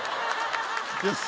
よし。